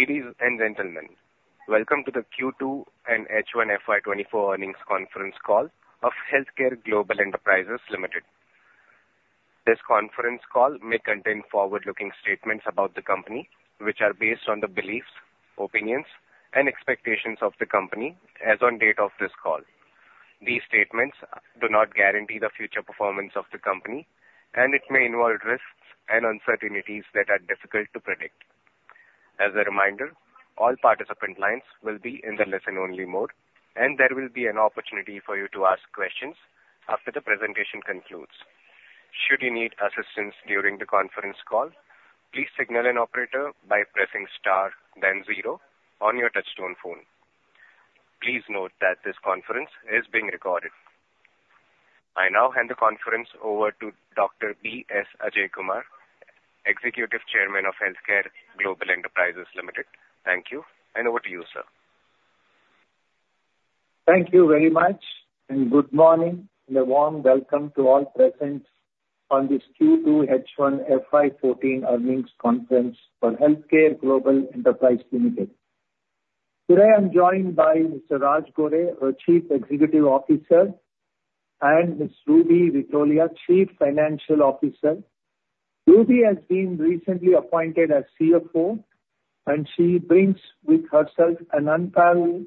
Ladies and gentlemen, welcome to the Q2 and H1 FY 2024 earnings conference call of HealthCare Global Enterprises Limited. This conference call may contain forward-looking statements about the company, which are based on the beliefs, opinions, and expectations of the company as on date of this call. These statements do not guarantee the future performance of the company, and it may involve risks and uncertainties that are difficult to predict. As a reminder, all participant lines will be in the listen-only mode, and there will be an opportunity for you to ask questions after the presentation concludes. Should you need assistance during the conference call, please signal an operator by pressing star then zero on your touchtone phone. Please note that this conference is being recorded. I now hand the conference over to Dr. B. S. Ajaikumar, Executive Chairman of HealthCare Global Enterprises Limited. Thank you, and over to you, sir. Thank you very much, and good morning, and a warm welcome to all present on this Q2 H1 FY 14 earnings conference for HealthCare Global Enterprises Limited. Today, I'm joined by Mr. Raj Gore, our Chief Executive Officer, and Ms. Ruby Ritolia, Chief Financial Officer. Ruby has been recently appointed as CFO, and she brings with herself an unparalleled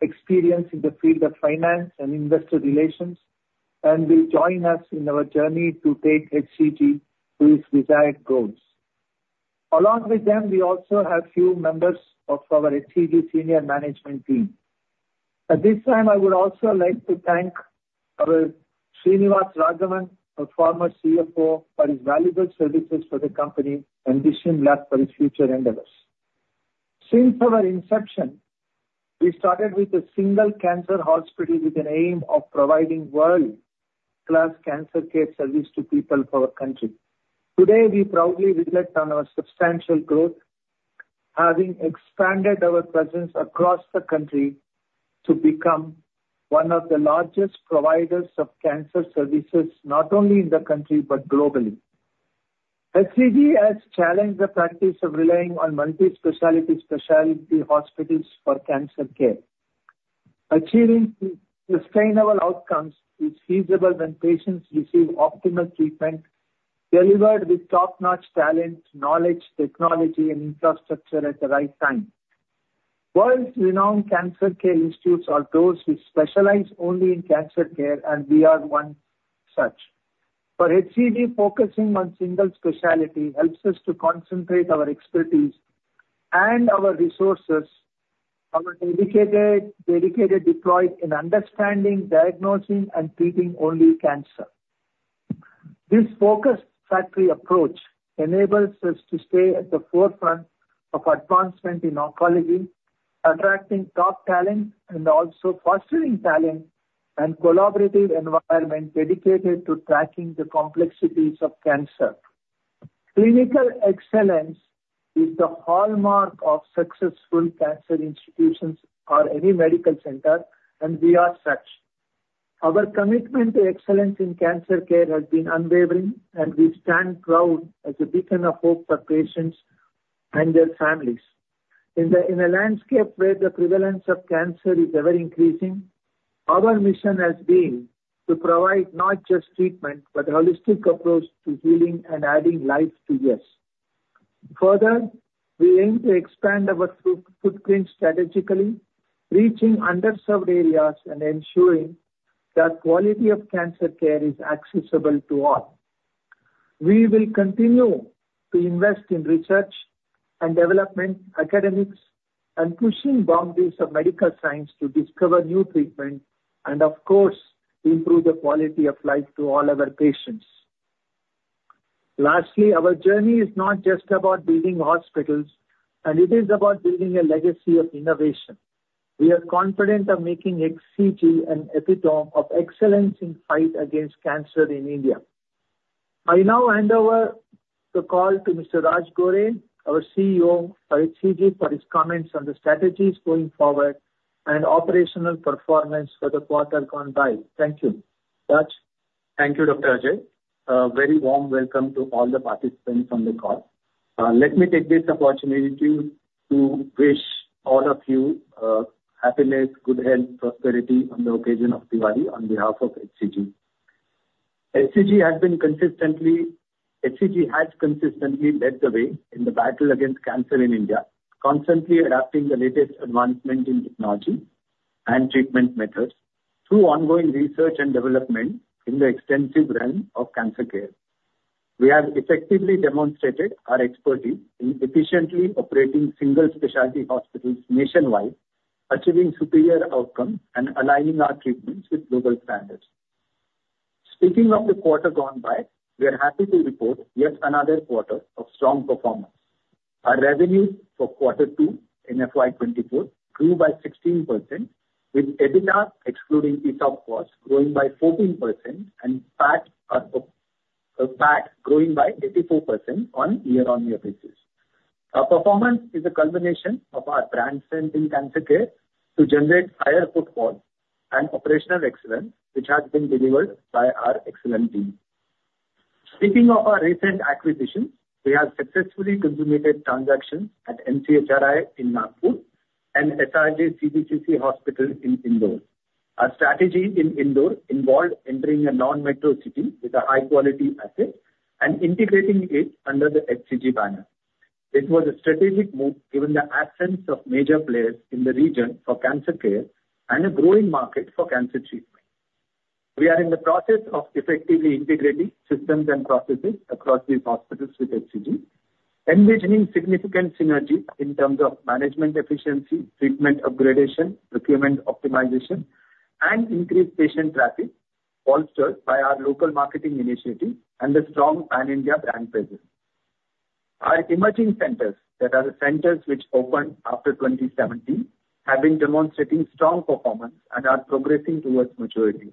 experience in the field of finance and investor relations, and will join us in our journey to take HCG to its desired goals. Along with them, we also have few members of our HCG senior management team. At this time, I would also like to thank our Srinivas Raghavan, our former CFO, for his valuable services for the company and wish him luck for his future endeavors. Since our inception, we started with a single cancer hospital with an aim of providing world-class cancer care service to people of our country. Today, we proudly reflect on our substantial growth, having expanded our presence across the country to become one of the largest providers of cancer services, not only in the country, but globally. HCG has challenged the practice of relying on multi-specialty specialty hospitals for cancer care. Achieving sustainable outcomes is feasible when patients receive optimal treatment delivered with top-notch talent, knowledge, technology, and infrastructure at the right time. World-renowned cancer care institutes are those which specialize only in cancer care, and we are one such. For HCG, focusing on single specialty helps us to concentrate our expertise and our resources, our dedicated resources deployed in understanding, diagnosing, and treating only cancer. This focused factory approach enables us to stay at the forefront of advancement in oncology, attracting top talent and also fostering talent and collaborative environment dedicated to tackling the complexities of cancer. Clinical excellence is the hallmark of successful cancer institutions or any medical center, and we are such. Our commitment to excellence in cancer care has been unwavering, and we stand proud as a beacon of hope for patients and their families. In a landscape where the prevalence of cancer is ever-increasing, our mission has been to provide not just treatment, but holistic approach to healing and adding life to years. Further, we aim to expand our footprint strategically, reaching underserved areas and ensuring that quality of cancer care is accessible to all. We will continue to invest in research and development, academics, and pushing boundaries of medical science to discover new treatments, and of course, improve the quality of life to all our patients. Lastly, our journey is not just about building hospitals, and it is about building a legacy of innovation. We are confident of making HCG an epitome of excellence in fight against cancer in India. I now hand over the call to Mr. Raj Gore, our CEO for HCG, for his comments on the strategies going forward and operational performance for the quarter gone by. Thank you. Raj. Thank you, Dr. Ajay. A very warm welcome to all the participants on the call. Let me take this opportunity to wish all of you happiness, good health, prosperity on the occasion of Diwali on behalf of HCG. HCG has consistently led the way in the battle against cancer in India, constantly adapting the latest advancement in technology and treatment methods through ongoing research and development in the extensive realm of cancer care. We have effectively demonstrated our expertise in efficiently operating single specialty hospitals nationwide, achieving superior outcomes and aligning our treatments with global standards. Speaking of the quarter gone by, we are happy to report yet another quarter of strong performance. Our revenues for quarter 2 in FY 2024 grew by 16%, with EBITDA, excluding ESOP costs, growing by 14% and PAT growing by 84% on year-on-year basis. Our performance is a combination of our brand strength in cancer care to generate higher footfall and operational excellence, which has been delivered by our excellent team.... Speaking of our recent acquisition, we have successfully consummated transactions at NCHRI in Nagpur and SRJ CBCC Hospital in Indore. Our strategy in Indore involved entering a non-metro city with a high quality asset and integrating it under the HCG banner. It was a strategic move, given the absence of major players in the region for cancer care and a growing market for cancer treatment. We are in the process of effectively integrating systems and processes across these hospitals with HCG, envisioning significant synergy in terms of management efficiency, treatment upgradation, procurement optimization, and increased patient traffic, bolstered by our local marketing initiatives and the strong Pan-India brand presence. Our emerging centers, that are the centers which opened after 2017, have been demonstrating strong performance and are progressing towards maturity.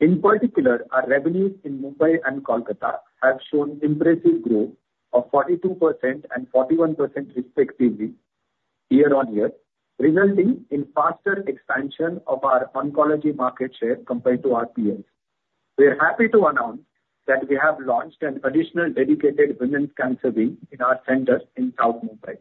In particular, our revenues in Mumbai and Kolkata have shown impressive growth of 42% and 41% respectively, year-on-year, resulting in faster expansion of our oncology market share compared to our peers. We are happy to announce that we have launched an additional dedicated women's cancer wing in our center in South Mumbai.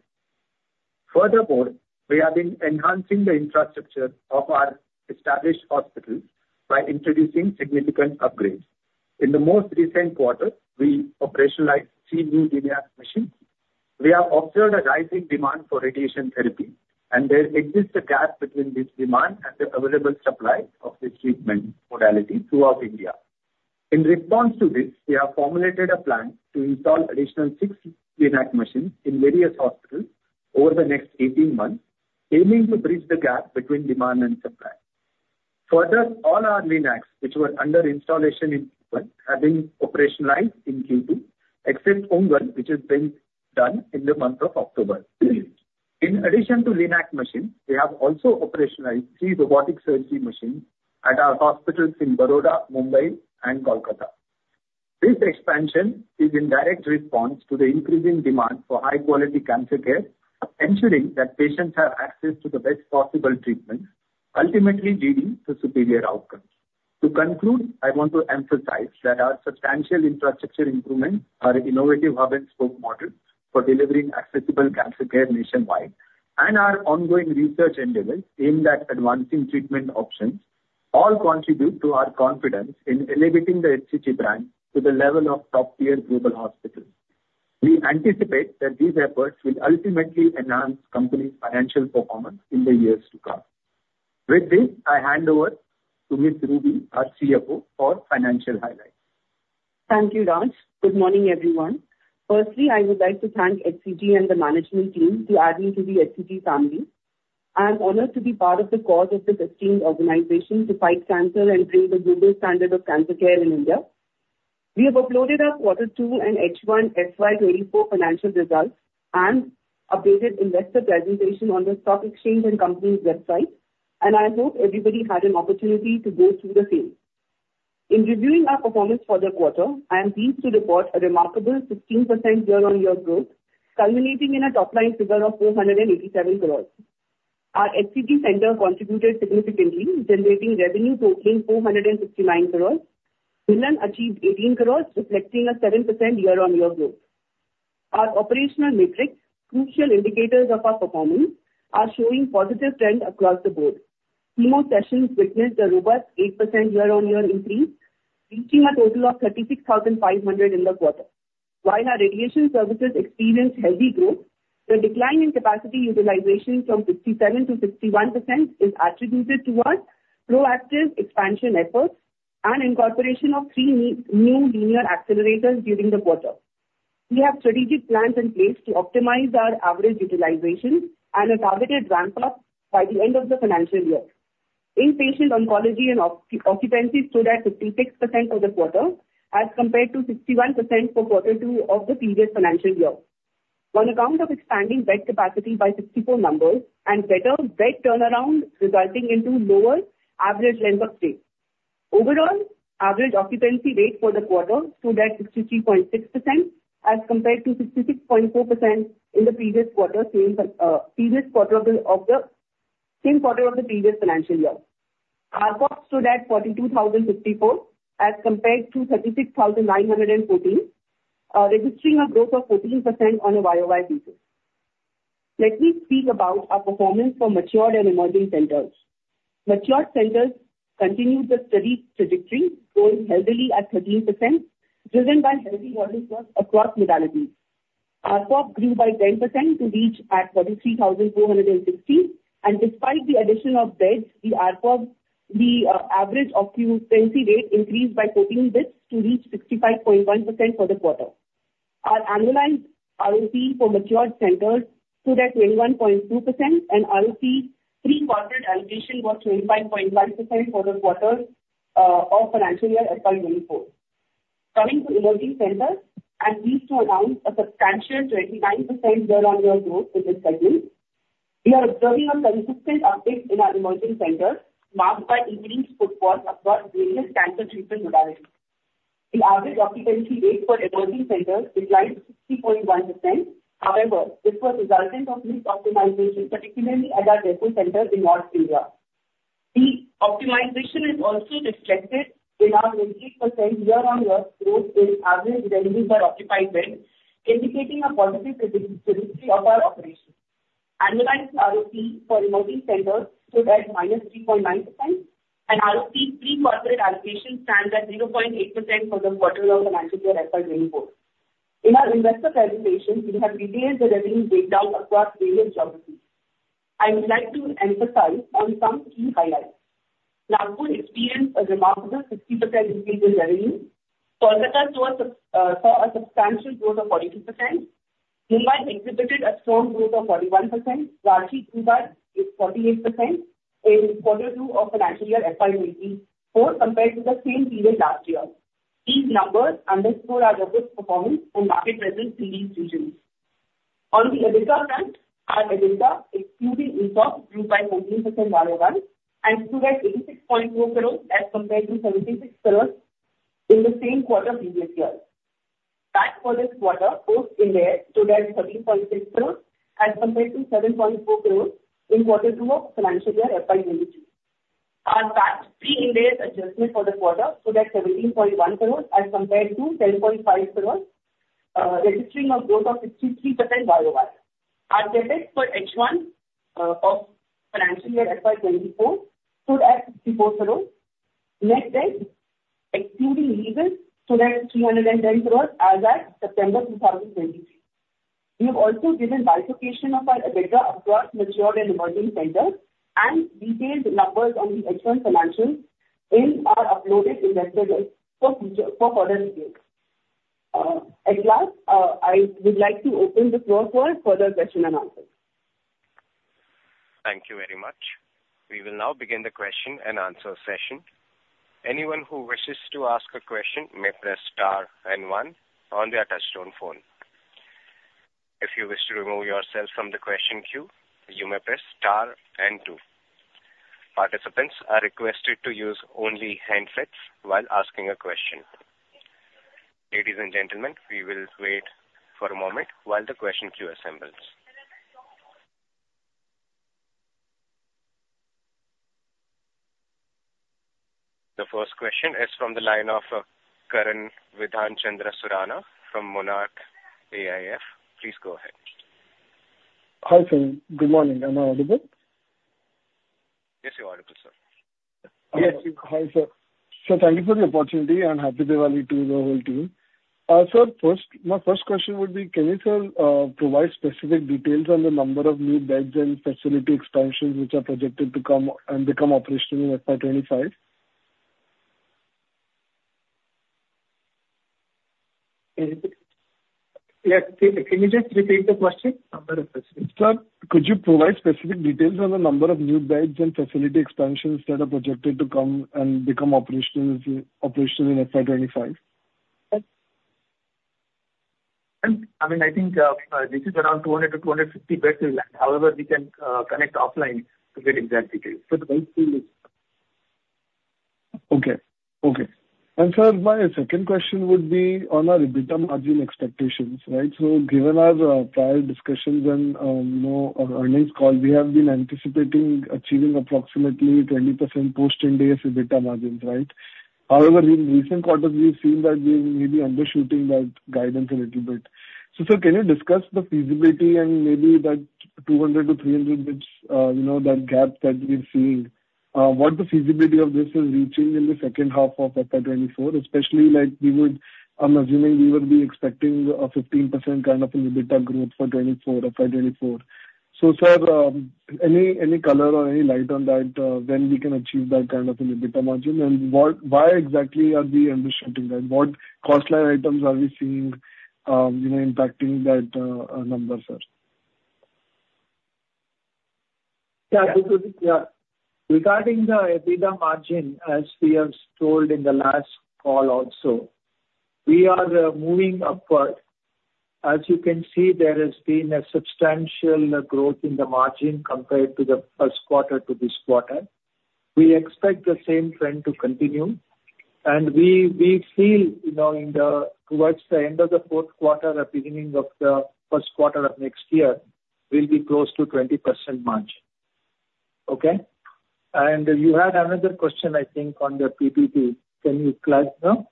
Furthermore, we have been enhancing the infrastructure of our established hospitals by introducing significant upgrades. In the most recent quarter, we operationalized 3 new LINAC machines. We have observed a rising demand for radiation therapy, and there exists a gap between this demand and the available supply of this treatment modality throughout India. In response to this, we have formulated a plan to install additional 6 LINAC machines in various hospitals over the next 18 months, aiming to bridge the gap between demand and supply. Further, all our LINACs, which were under installation in Q1, have been operationalized in Q2, except 1, which is being done in the month of October. In addition to LINAC machines, we have also operationalized 3 robotic surgery machines at our hospitals in Baroda, Mumbai, and Kolkata. This expansion is in direct response to the increasing demand for high quality cancer care, ensuring that patients have access to the best possible treatment, ultimately leading to superior outcomes. To conclude, I want to emphasize that our substantial infrastructure improvements, our innovative hub and spoke model for delivering accessible cancer care nationwide, and our ongoing research endeavors aimed at advancing treatment options, all contribute to our confidence in elevating the HCG brand to the level of top-tier global hospitals. We anticipate that these efforts will ultimately enhance company's financial performance in the years to come. With this, I hand over to Ms. Ruby, our CFO, for financial highlights. Thank you, Raj. Good morning, everyone. Firstly, I would like to thank HCG and the management team for adding me to the HCG family. I am honored to be part of the cause of this esteemed organization to fight cancer and bring the global standard of cancer care in India. We have uploaded our Quarter 2 and H1 FY 2024 financial results and updated investor presentation on the stock exchange and company's website, and I hope everybody had an opportunity to go through the same. In reviewing our performance for the quarter, I am pleased to report a remarkable 16% year-on-year growth, culminating in a top line figure of 487 crore. Our HCG center contributed significantly, generating revenue totaling 459 crore. Milann achieved 18 crore, reflecting a 7% year-on-year growth. Our operational metrics, crucial indicators of our performance, are showing positive trend across the board. Chemo sessions witnessed a robust 8% year-on-year increase, reaching a total of 36,500 in the quarter. While our radiation services experienced healthy growth, the decline in capacity utilization from 57%-51% is attributed to our proactive expansion efforts and incorporation of 3 new linear accelerators during the quarter. We have strategic plans in place to optimize our average utilization and a targeted ramp up by the end of the financial year. Inpatient oncology and occupancy stood at 56% for the quarter, as compared to 61% for Q2 of the previous financial year. On account of expanding bed capacity by 64 numbers and better bed turnaround, resulting into lower average length of stay. Overall, average occupancy rate for the quarter stood at 63.6%, as compared to 66.4% in the same quarter of the previous financial year. ARCOB stood at 42,054, as compared to 36,914, registering a growth of 14% on a YOY basis. Let me speak about our performance for matured and emerging centers. Matured centers continued the steady trajectory, growing healthily at 13%, driven by healthy volume growth across modalities. ARCOB grew by 10% to reach at 43,460, and despite the addition of beds, the ARCOB, the average occupancy rate increased by 14 basis points to reach 65.1% for the quarter. Our annualized ROCE for matured centers stood at 21.2%, and ROCE three-quarter allocation was 25.1% for the quarter of financial year FY 2024. Coming to emerging centers, I'm pleased to announce a substantial 29% year-on-year growth in this segment. We are observing a consistent uptake in our emerging centers, marked by increased footfall across various cancer treatment modalities. The average occupancy rate for emerging centers declined to 60.1%. However, this was resultant of mix optimization, particularly at our Jaipur center in North India. The optimization is also reflected in our 20% year-on-year growth in average revenue per occupied bed, indicating a positive trajectory of our operations. Annualized ROCE for emerging centers stood at -3.9%, and ROCE pre-corporate allocation stands at 0.8% for the quarter of the financial year FY 2024. In our investor presentation, we have detailed the revenue breakdown across various geographies. I would like to emphasize on some key highlights. Nagpur experienced a remarkable 50% increase in revenue. Kolkata saw a substantial growth of 42%. Mumbai exhibited a strong growth of 41%. Ranchi, it is 48% in quarter two of financial year FY 2024 compared to the same period last year. These numbers underscore our robust performance and market presence in these regions. On the EBITDA front, our EBITDA excluding interest grew by 14% YOY, and stood at 86.4 crores as compared to 76 crores in the same quarter previous year. CAPEX for this quarter, Post-Ind AS stood at 13.6 crores as compared to 7.4 crores in quarter two of financial year FY 2022. Our CAPEX Pre-Ind AS adjustment for the quarter stood at 17.1 crores as compared to 10.5 crores, registering a growth of 53% YOY. Our CAPEX for H1 of financial year FY 2024 stood at INR 64 crores. Net debt, excluding leases, stood at 310 crores as at September 2023. We have also given bifurcation of our EBITDA across matured and emerging centers, and detailed numbers on the H1 financials in our uploaded investor deck for future, for further review. At last, I would like to open the floor for further question and answer. Thank you very much. We will now begin the question and answer session. Anyone who wishes to ask a question may press star and one on their touchtone phone. If you wish to remove yourself from the question queue, you may press star and two. Participants are requested to use only handsets while asking a question. Ladies and gentlemen, we will wait for a moment while the question queue assembles. The first question is from the line of Karan Bidhan Chandra Surana from Monarch AIF. Please go ahead. Hi, sir. Good morning. Am I audible? Yes, you're audible, sir. Yes. Hi, sir. Sir, thank you for the opportunity, and happy Diwali to the whole team. Sir, first, my first question would be: Can you, sir, provide specific details on the number of new beds and facility expansions which are projected to come and become operational in FY 25? Yeah. Can you just repeat the question? I'm not able to see. Sir, could you provide specific details on the number of new beds and facility expansions that are projected to come and become operational in FY 25? I mean, I think this is around 200-250 beds inland. However, we can connect offline to get exact details. Okay. Okay. And sir, my second question would be on our EBITDA margin expectations, right? So given our, prior discussions and, you know, our earnings call, we have been anticipating achieving approximately 20% Post-Ind AS EBITDA margins, right? However, in recent quarters, we've seen that we may be undershooting that guidance a little bit. So sir, can you discuss the feasibility and maybe that 200-300 basis, you know, that gap that we're seeing, what the feasibility of this is reaching in the second half of FY 2024, especially like we would... I'm assuming we would be expecting a 15% kind of an EBITDA growth for 2024, FY 2024. So, sir, any color or any light on that, when we can achieve that kind of an EBITDA margin, and what, why exactly are we undershooting that? What cost line items are we seeing, you know, impacting that number, sir? Yeah, good, yeah. Regarding the EBITDA margin, as we have told in the last call also, we are moving upward. As you can see, there has been a substantial growth in the margin compared to the first quarter to this quarter. We expect the same trend to continue, and we feel, you know, towards the end of the fourth quarter or beginning of the first quarter of next year, we'll be close to 20% margin. Okay? And you had another question, I think, on the PPT. Can you clarify now?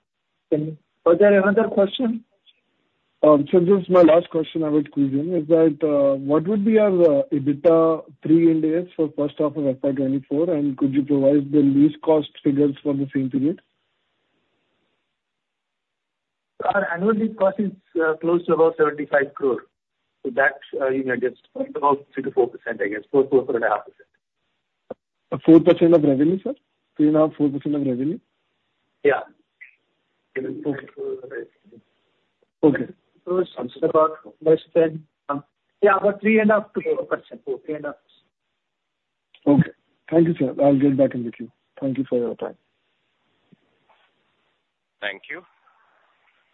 Can you... Was there another question? This is my last question I would include, is that, what would be our EBITDA Pre-Ind AS for first half of FY 2024, and could you provide the lease cost figures for the same period? Our annual lease cost is close to about 75 crore. So that's you can adjust about 3%-4%, I guess, 4-4.5%. 4% of revenue, sir? 3.5, 4% of revenue? Yeah. Okay. Okay. So it's about less than about 3.5%-4%. 4, 3.5. Okay. Thank you, sir. I'll get back in the queue. Thank you for your time. Thank you.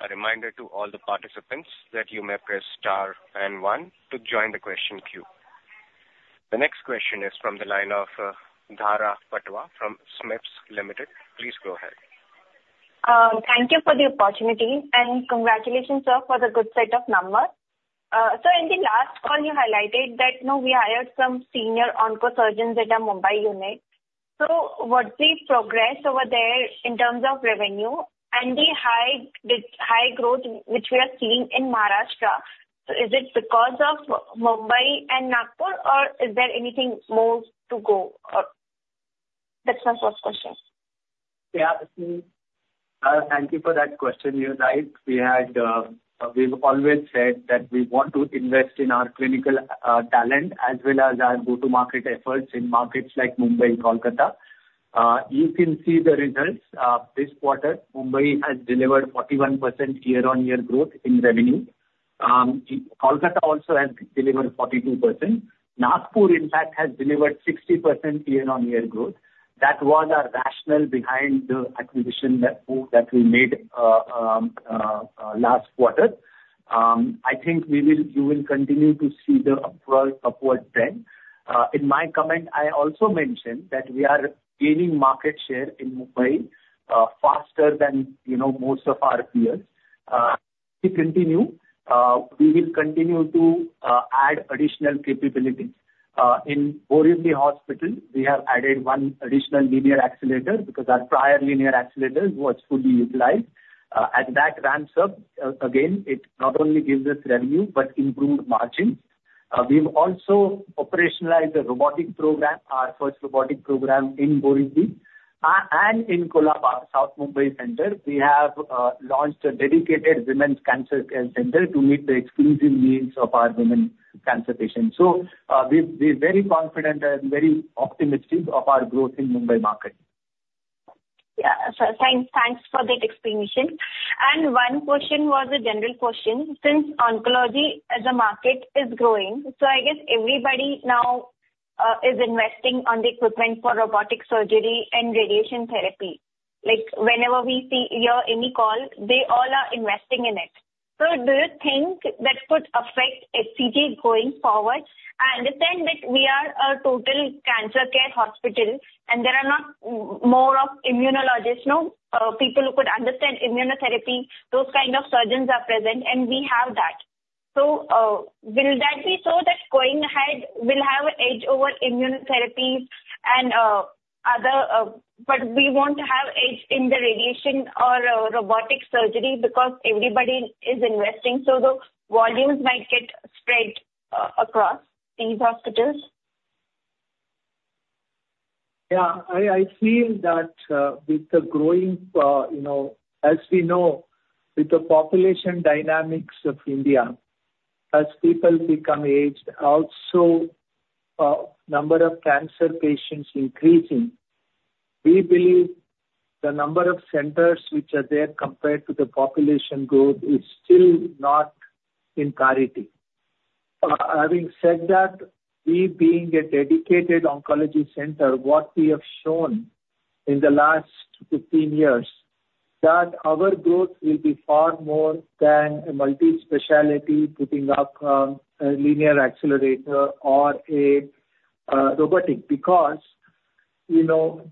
A reminder to all the participants that you may press star and one to join the question queue. The next question is from the line of, Dhara Patwa from SMIFS Limited. Please go ahead. Thank you for the opportunity, and congratulations, sir, for the good set of numbers. So in the last call, you highlighted that, you know, we hired some senior onco surgeons at our Mumbai unit. So what's the progress over there in terms of revenue and the high, the high growth which we are seeing in Maharashtra? So is it because of Mumbai and Nagpur, or is there anything more to go? That's my first question. Yeah, thank you for that question. You're right. We had—we've always said that we want to invest in our clinical talent as well as our go-to-market efforts in markets like Mumbai and Kolkata. You can see the results. This quarter, Mumbai has delivered 41% year-on-year growth in revenue. Kolkata also has delivered 42%. Nagpur, in fact, has delivered 60% year-on-year growth. That was our rationale behind the acquisition that move that we made last quarter. I think we will—you will continue to see the upward, upward trend. In my comment, I also mentioned that we are gaining market share in Mumbai faster than, you know, most of our peers. We continue, we will continue to add additional capabilities. In Borivali Hospital, we have added one additional linear accelerator because our prior linear accelerator was fully utilized. That ramps up, again, it not only gives us revenue but improved margins. We've also operationalized a robotic program, our first robotic program in Borivali. In Colaba, South Mumbai center, we have launched a dedicated women's cancer care center to meet the exclusive needs of our women cancer patients. So, we're very confident and very optimistic of our growth in Mumbai market. Yeah. So thanks, thanks for that explanation. And one question was a general question. Since oncology as a market is growing, so I guess everybody now is investing on the equipment for robotic surgery and radiation therapy. Like, whenever we see your earnings call, they all are investing in it. So do you think that could affect HCG going forward? I understand that we are a total cancer care hospital, and there are not many more of immunologists, you know, people who could understand immunotherapy. Those kind of surgeons are present, and we have that. So, will that be so that going ahead, we'll have an edge over immunotherapies and, other... But we won't have edge in the radiation or robotic surgery because everybody is investing, so the volumes might get spread across these hospitals. Yeah, I feel that, with the growing, you know, as we know, with the population dynamics of India, as people become aged, also, number of cancer patients increasing, we believe the number of centers which are there compared to the population growth is still not in parity. Having said that, we being a dedicated oncology center, what we have shown in the last 15 years, that our growth will be far more than a multi-specialty, putting up, a linear accelerator or a, robotic. Because, you know,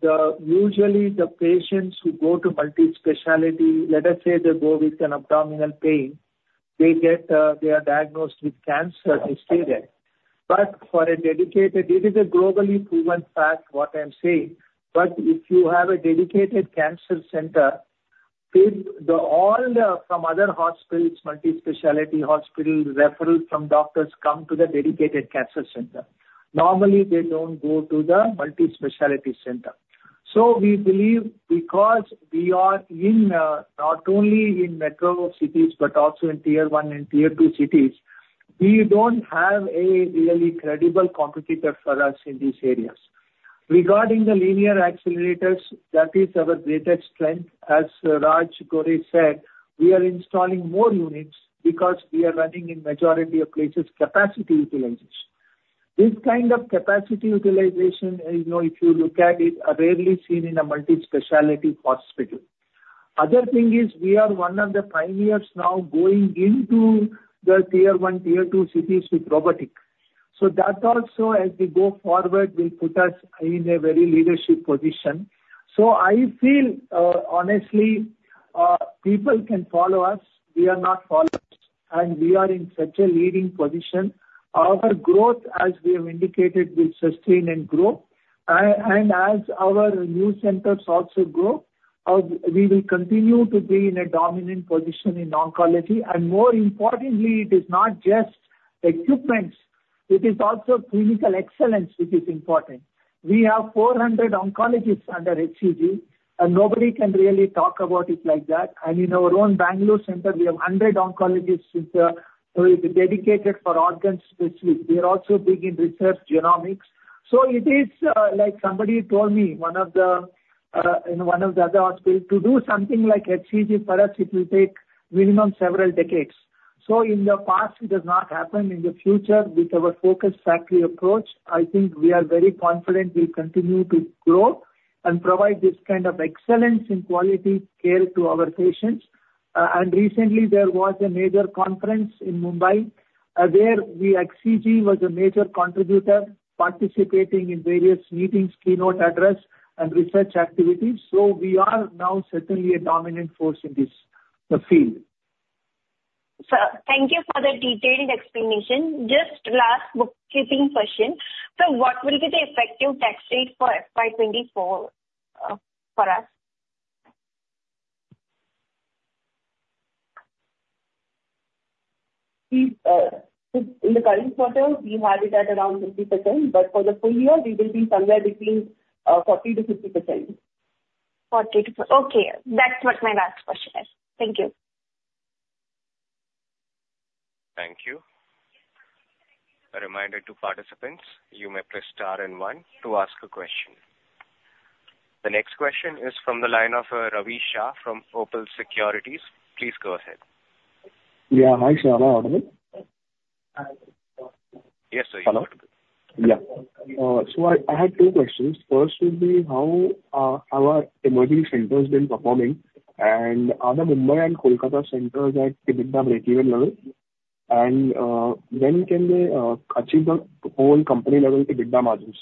usually, the patients who go to multi-specialty, let us say they go with an abdominal pain, they get, they are diagnosed with cancer, they stay there. But for a dedicated, this is a globally proven fact, what I'm saying, but if you have a dedicated cancer center, with the all the, from other hospitals, multi-specialty hospital, referrals from doctors come to the dedicated cancer center. Normally, they don't go to the multi-specialty center. So we believe because we are in, not only in metro cities, but also in Tier I and Tier II cities, we don't have a really credible competitor for us in these areas. Regarding the linear accelerators, that is our greatest strength. As Raj Gore said, we are installing more units because we are running in majority of places, capacity utilization. This kind of capacity utilization, you know, if you look at it, are rarely seen in a multi-specialty hospital. Other thing is we are one of the pioneers now going into the Tier I, Tier II cities with robotic. So that also, as we go forward, will put us in a very leadership position. So I feel, honestly, people can follow us, we are not followers, and we are in such a leading position. Our growth, as we have indicated, will sustain and grow. And as our new centers also grow, we will continue to be in a dominant position in oncology. And more importantly, it is not just equipments, it is also clinical excellence, which is important. We have 400 oncologists under HCG, and nobody can really talk about it like that. And in our own Bangalore center, we have 100 oncologists with, who is dedicated for organ specific. We are also big in research genomics. So it is, like somebody told me, in one of the other hospital, "To do something like HCG, for us, it will take minimum several decades." So in the past, it has not happened. In the future, with our focused factory approach, I think we are very confident we'll continue to grow and provide this kind of excellence in quality care to our patients. And recently there was a major conference in Mumbai, where we, HCG was a major contributor, participating in various meetings, keynote address, and research activities. So we are now certainly a dominant force in this field. Sir, thank you for the detailed explanation. Just last bookkeeping question: sir, what will be the effective tax rate for FY 2024 for us? In the current quarter, we had it at around 50%, but for the full year, we will be somewhere between 40%-50%. 40-50. Okay, that's what my last question is. Thank you. Thank you. A reminder to participants, you may press star and one to ask a question. The next question is from the line of, Ravi Shah from Opal Securities. Please go ahead. Yeah. Hi, sir. Am I audible? Yes, sir, you are. Hello. Yeah. So I had two questions. First would be how our emerging centers been performing, and are the Mumbai and Kolkata centers at EBITDA breakeven level? And when can they achieve the whole company level EBITDA margins?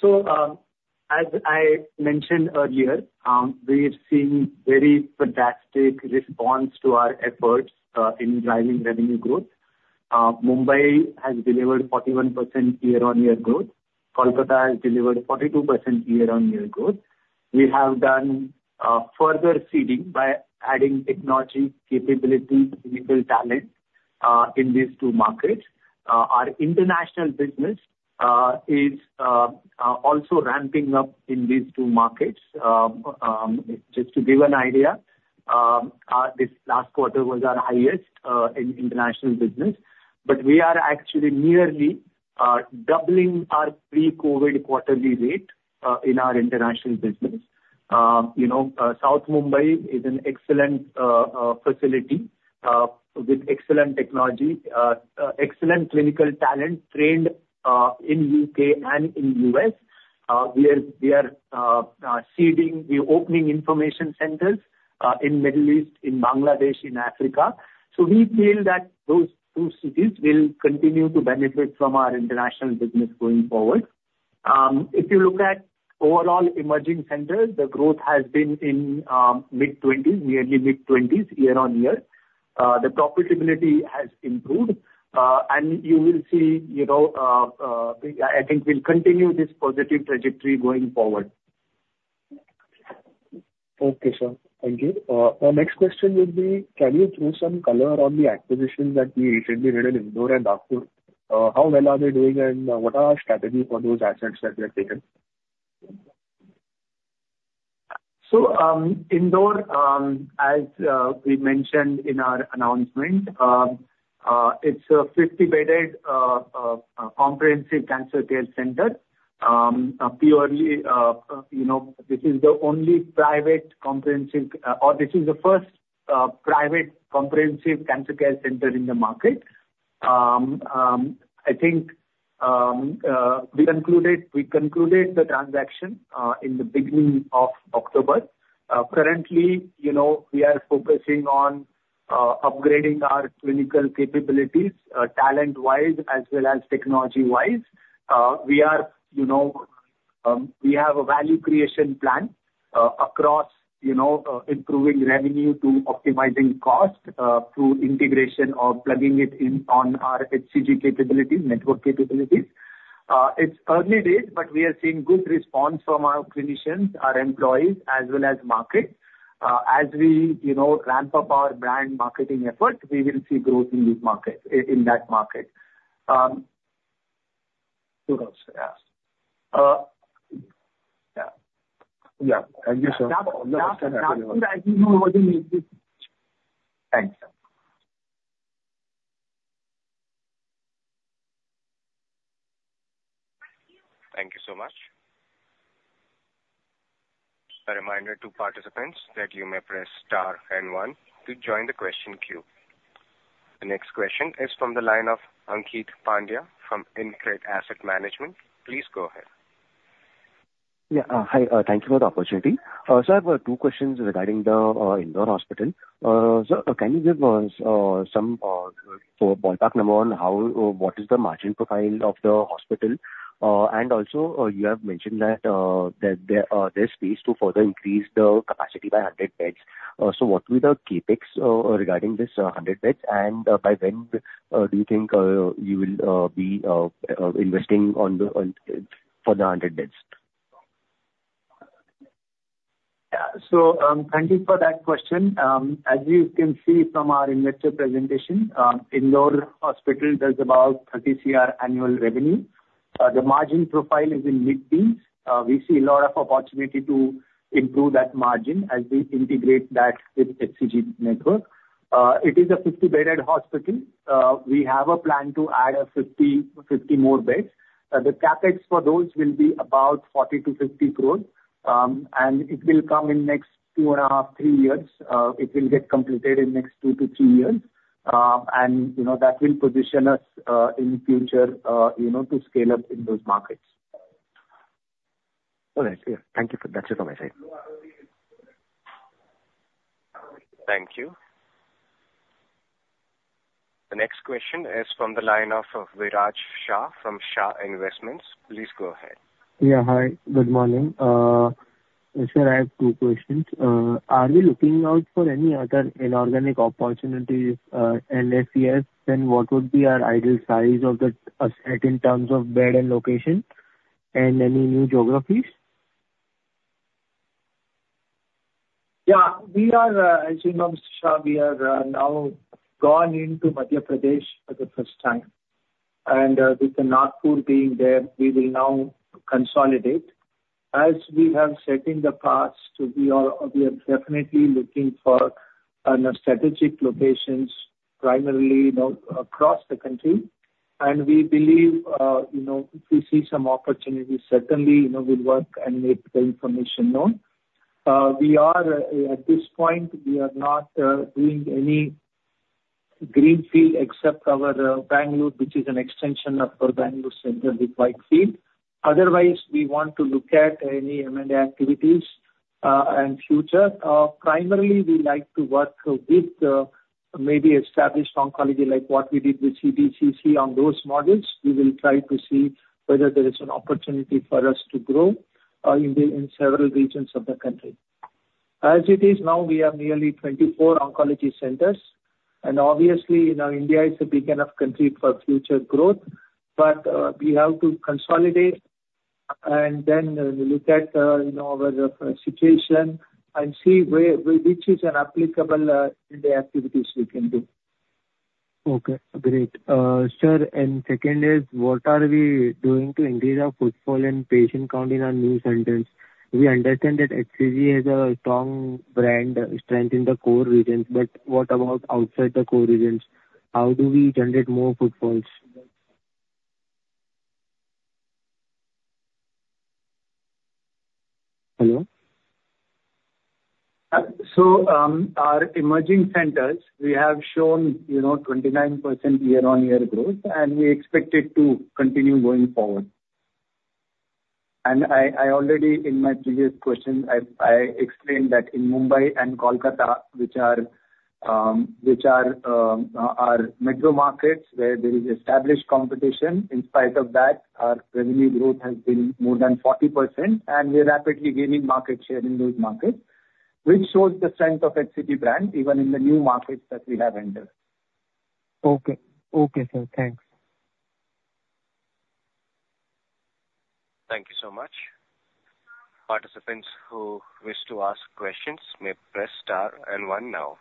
So, as I mentioned earlier, we've seen very fantastic response to our efforts in driving revenue growth. Mumbai has delivered 41% year-on-year growth. Kolkata has delivered 42% year-on-year growth. We have done further seeding by adding technology, capabilities, digital talent in these two markets. Our international business is also ramping up in these two markets. Just to give an idea, this last quarter was our highest in international business. But we are actually nearly doubling our pre-COVID quarterly rate in our international business. You know, South Mumbai is an excellent facility with excellent technology, excellent clinical talent trained in U.K. and in U.S. We are seeding the opening information centers in Middle East, in Bangladesh, in Africa. So we feel that those two cities will continue to benefit from our international business going forward. If you look at overall emerging centers, the growth has been in mid-twenties, nearly mid-twenties year-over-year. The profitability has improved, and you will see, you know, I think we'll continue this positive trajectory going forward. Okay, sir. Thank you. My next question would be, can you throw some color on the acquisitions that we recently made in Indore and Nagpur? How well are they doing, and what are our strategies for those assets that we have taken? So, Indore, as we mentioned in our announcement, it's a 50-bedded comprehensive cancer care center. Purely, you know, this is the only private comprehensive, or this is the first, private comprehensive cancer care center in the market. I think, we concluded, we concluded the transaction, in the beginning of October. Currently, you know, we are focusing on upgrading our clinical capabilities, talent-wise as well as technology-wise. We are, you know, we have a value creation plan, across, you know, improving revenue to optimizing cost, through integration or plugging it in on our HCG capabilities, network capabilities. It's early days, but we are seeing good response from our clinicians, our employees, as well as market. As we, you know, ramp up our brand marketing efforts, we will see growth in these markets, in that market. Who else? Yeah. Yeah. Yeah. Thank you, sir. Thanks. Thank you so much. A reminder to participants that you may press star and one to join the question queue. The next question is from the line of Ankeet Pandya from InCred Asset Management. Please go ahead. Yeah, hi, thank you for the opportunity. So I have two questions regarding the Indore hospital. Sir, can you give us some so ballpark number on how or what is the margin profile of the hospital? And also, you have mentioned that that there there's space to further increase the capacity by 100 beds. So what will be the CapEx regarding this 100 beds, and by when do you think you will be investing on the on for the 100 beds? Yeah. Thank you for that question. As you can see from our investor presentation, Indore hospital does about 30 crore annual revenue. The margin profile is in mid-teens. We see a lot of opportunity to improve that margin as we integrate that with HCG network. It is a 50-bedded hospital. We have a plan to add 50 more beds. The CapEx for those will be about 40-50 crore, and it will come in next 2.5-3 years. It will get completed in next 2-3 years, and, you know, that will position us in the future, you know, to scale up in those markets. All right. Yeah, thank you. That's it on my side. Thank you. The next question is from the line of Viraj Shah from Shah Investments. Please go ahead. Yeah, hi. Good morning. Sir, I have two questions. Are you looking out for any other inorganic opportunities, and if yes, then what would be our ideal size of the asset in terms of bed and location and any new geographies? Yeah, we are, as you know, Mr. Shah, we are now gone into Madhya Pradesh for the first time, and with the Nagpur being there, we will now consolidate. As we have said in the past, we are, we are definitely looking for strategic locations primarily, you know, across the country, and we believe, you know, if we see some opportunities, certainly, you know, we'll work and make the information known. At this point, we are not doing any greenfield except our Bangalore, which is an extension of our Bangalore center with Whitefield. Otherwise, we want to look at any M&A activities and future. Primarily, we like to work with maybe established oncology, like what we did with CBCC on those models. We will try to see whether there is an opportunity for us to grow in several regions of the country. As it is now, we have nearly 24 oncology centers, and obviously, you know, India is a big enough country for future growth. But we have to consolidate and then look at you know, our situation and see where which is an applicable India activities we can do. Okay, great. Sir, and second is, what are we doing to increase our footfall and patient count in our new centers? We understand that HCG has a strong brand strength in the core regions, but what about outside the core regions? How do we generate more footfalls? Hello? So, our emerging centers, we have shown, you know, 29% year-on-year growth, and we expect it to continue going forward. I already, in my previous question, I explained that in Mumbai and Kolkata, which are our metro markets, where there is established competition, in spite of that, our revenue growth has been more than 40%, and we are rapidly gaining market share in those markets, which shows the strength of HCG brand, even in the new markets that we have entered. Okay. Okay, sir. Thanks. Thank you so much. Participants who wish to ask questions may press star and one now.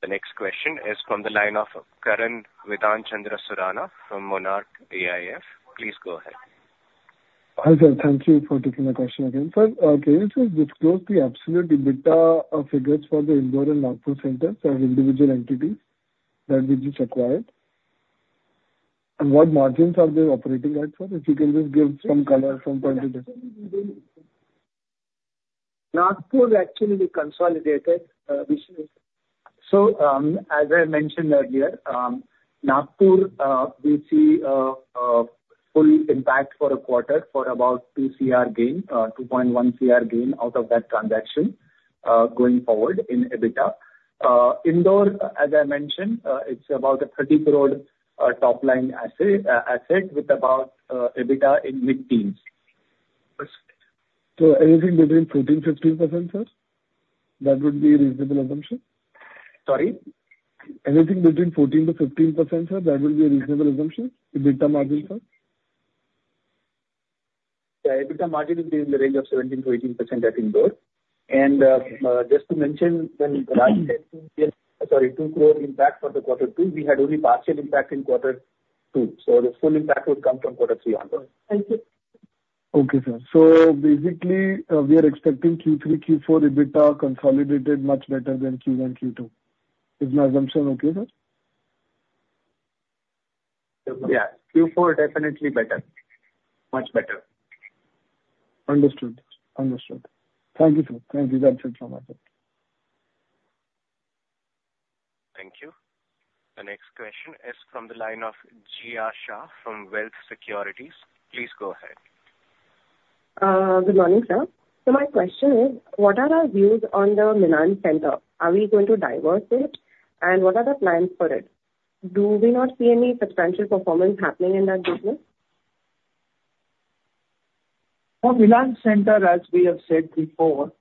The next question is from the line of Karan Bidhan Chandra Surana from Monarch AIF. Please go ahead. Hi, sir. Thank you for taking the question again. Sir, can you just disclose the absolute EBITDA figures for the Indore and Nagpur centers as individual entities that you just acquired? And what margins are they operating at, sir? If you can just give some color from point of view. Nagpur is actually consolidated, which means... So, as I mentioned earlier, Nagpur, we see full impact for a quarter for about 2 crore gain, 2.1 crore gain out of that transaction, going forward in EBITDA. Indore, as I mentioned, it's about a 30 crore top line asset, asset with about EBITDA in mid-teens. Anything between 14%-15%, sir? That would be a reasonable assumption. Sorry? Anything between 14%-15%, sir, that would be a reasonable assumption, EBITDA margin, sir? The EBITDA margin will be in the range of 17%-18% at Indore. And, just to mention, when- Mm-hmm. Sorry, 2 crore impact for quarter two. We had only partial impact in quarter two, so the full impact would come from quarter three onwards. Thank you. Okay, sir. So basically, we are expecting Q3, Q4 EBITDA consolidated much better than Q1, Q2. Is my assumption okay, sir? Yeah. Q4 definitely better. Much better. Understood. Understood. Thank you, sir. Thank you. That's it from my side. Thank you. The next question is from the line of Jiya Shah from Wealth Securities. Please go ahead. Good morning, sir. So my question is: What are our views on the Milann Center? Are we going to divest it? And what are the plans for it? Do we not see any substantial performance happening in that business? For Milann Center, as we have said before,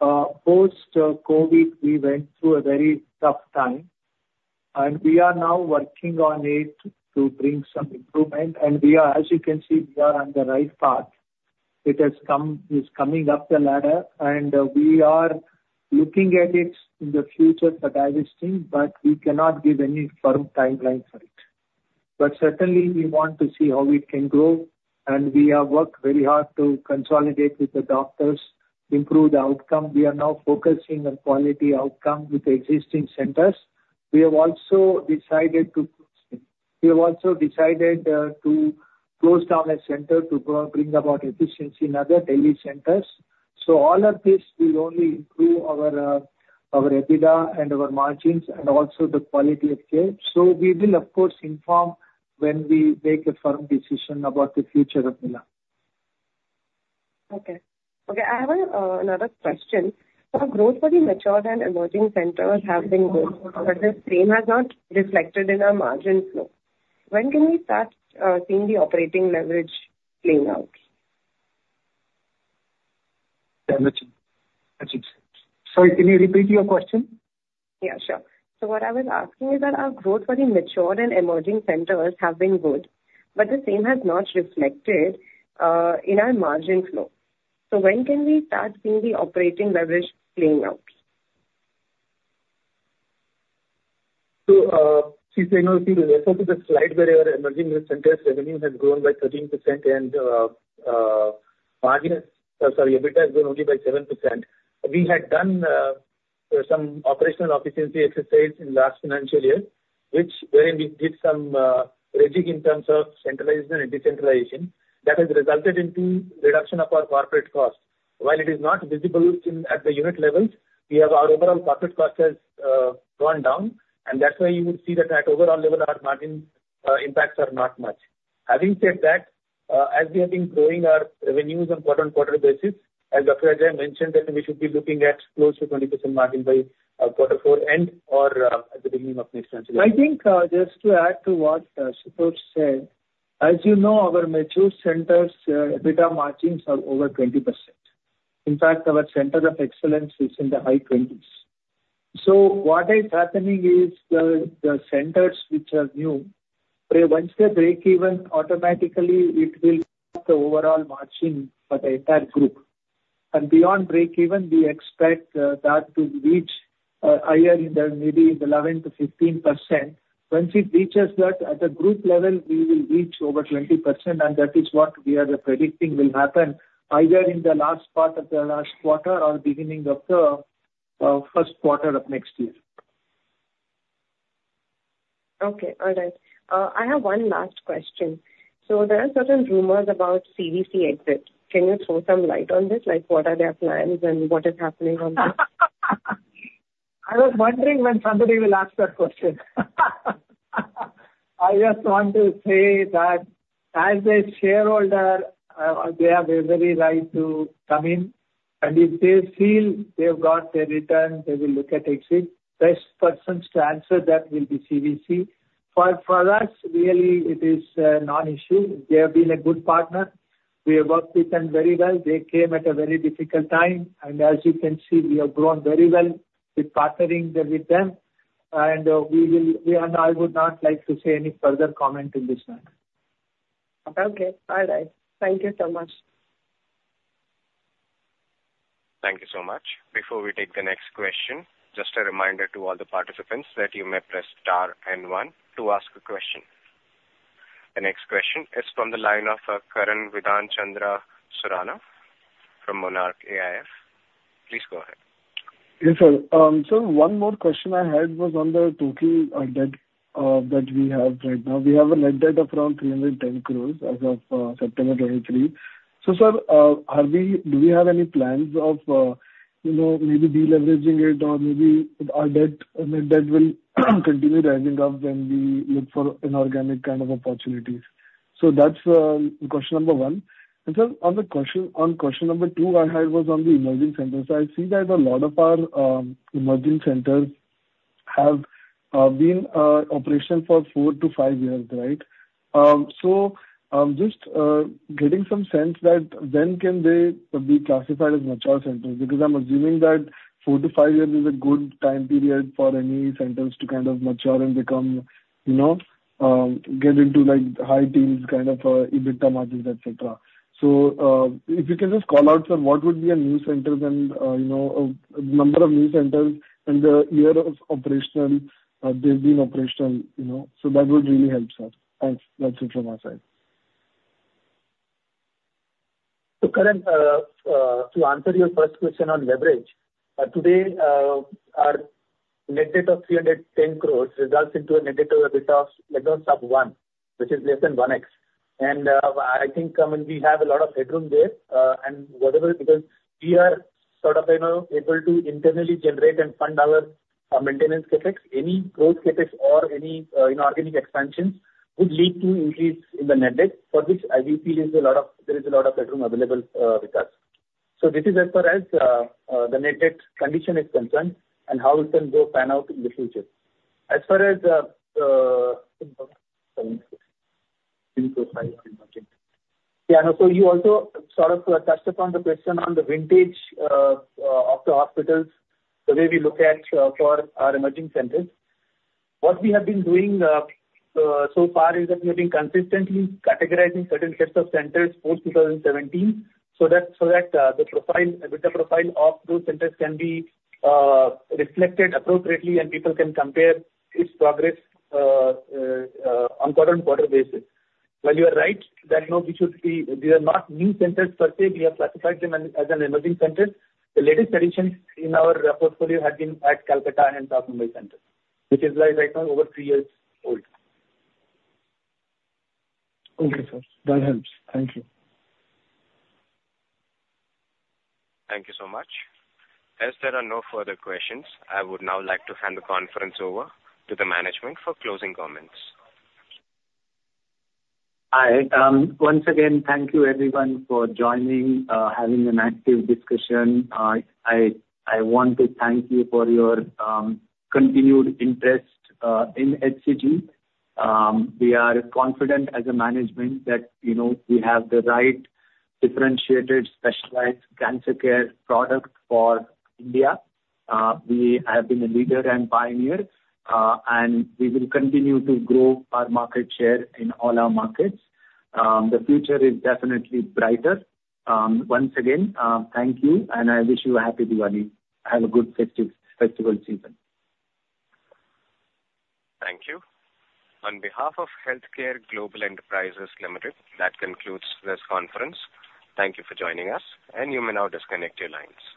post COVID, we went through a very tough time, and we are now working on it to bring some improvement. And we are, as you can see, we are on the right path. It has come—It's coming up the ladder, and we are looking at it in the future for divesting, but we cannot give any firm timeline for it. But certainly, we want to see how it can grow, and we have worked very hard to consolidate with the doctors to improve the outcome. We are now focusing on quality outcome with existing centers. We have also decided to close down a center to go bring about efficiency in other Milann centers. So all of this will only improve our EBITDA and our margins, and also the quality of care. So we will, of course, inform when we make a firm decision about the future of Milann. Okay. Okay, I have another question. Our growth for the mature and emerging centers have been good, but the same has not reflected in our margin flow. When can we start seeing the operating leverage playing out? That's it. Sorry, can you repeat your question? Yeah, sure. So what I was asking is that our growth for the mature and emerging centers have been good, but the same has not reflected in our margin flow. So when can we start seeing the operating leverage playing out? So, she's saying, you see, refer to the slide where your emerging centers revenue has grown by 13% and, margin, sorry, EBITDA has grown only by 7%. We had done some operational efficiency exercise in last financial year, which wherein we did some rejig in terms of centralization and decentralization. That has resulted into reduction of our corporate costs. While it is not visible in at the unit levels, we have our overall corporate costs has gone down, and that's why you would see that at overall level, our margin impacts are not much. Having said that, as we have been growing our revenues on quarter-on-quarter basis, as Dr. B.S. Ajaikumar mentioned, that we should be looking at close to 20% margin by quarter four end or at the beginning of next financial year. I think, just to add to what, Raj said, as you know, our mature centers, EBITDA margins are over 20%. In fact, our centers of excellence is in the high 20s. So what is happening is the, the centers which are new, once they break even, automatically it will have the overall margin for the entire group. And beyond break even, we expect, that to reach, higher in the maybe 11%-15%. Once it reaches that, at the group level, we will reach over 20%, and that is what we are predicting will happen either in the last part of the last quarter or beginning of the, first quarter of next year. Okay, all right. I have one last question. So there are certain rumors about CVC exit. Can you throw some light on this? Like, what are their plans and what is happening on this? I was wondering when somebody will ask that question. I just want to say that as a shareholder, they have every right to come in, and if they feel they've got their return, they will look at exit. Best persons to answer that will be CVC. For us, really, it is a non-issue. They have been a good partner. We have worked with them very well. They came at a very difficult time, and as you can see, we have grown very well with partnering with them. I would not like to say any further comment in this matter. Okay. All right. Thank you so much. Thank you so much. Before we take the next question, just a reminder to all the participants that you may press star and one to ask a question. The next question is from the line of Karan Bidhan Chandra Surana from Monarch AIF. Please go ahead. Yes, sir. So one more question I had was on the total debt that we have right now. We have a net debt of around 310 crore as of September 2023. So sir, are we, do we have any plans of, you know, maybe deleveraging it or maybe our debt, I mean, debt will continue rising up when we look for inorganic kind of opportunities. So that's question number 1. And sir, on the question, on question number 2, I had was on the emerging centers. I see that a lot of our emerging centers have been operational for 4-5 years, right? So just getting some sense that when can they be classified as mature centers? Because I'm assuming that 4-5 years is a good time period for any centers to kind of mature and become, you know, get into like high teens, kind of, EBITDA margins, et cetera. So, if you can just call out, sir, what would be a new centers and, you know, number of new centers and the year of operation, they've been operational, you know? So that would really help, sir. Thanks. That's it from my side. So Karan, to answer your first question on leverage, today, our net debt of 310 crore results into a net debt to EBITDA of less than 1x. And, I think, I mean, we have a lot of headroom there, and whatever, because we are sort of, you know, able to internally generate and fund our, our maintenance CapEx. Any growth CapEx or any, inorganic expansion would lead to increase in the net debt, for which I feel is a lot of, there is a lot of headroom available, with us. So this is as far as, the net debt condition is concerned and how it can go pan out in the future. As far as... Yeah, so you also sort of touched upon the question on the vintage of the hospitals, the way we look at for our emerging centers. What we have been doing so far is that we have been consistently categorizing certain sets of centers post-2017, so that the profile, EBITDA profile of those centers can be reflected appropriately and people can compare its progress on quarter-on-quarter basis. Well, you are right that, you know, we should be. They are not new centers per se. We have classified them as emerging centers. The latest additions in our portfolio have been at Kolkata and Mumbai center, which is like right now, over 3 years old. Okay, sir. That helps. Thank you. Thank you so much. As there are no further questions, I would now like to hand the conference over to the management for closing comments. Hi. Once again, thank you everyone for joining, having an active discussion. I want to thank you for your continued interest in HCG. We are confident as a management that, you know, we have the right differentiated, specialized cancer care product for India. We have been a leader and pioneer, and we will continue to grow our market share in all our markets. The future is definitely brighter. Once again, thank you, and I wish you a happy Diwali. Have a good festive festival season. Thank you. On behalf of HealthCare Global Enterprises Limited, that concludes this conference. Thank you for joining us, and you may now disconnect your lines.